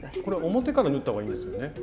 これ表から縫った方がいいんですよね。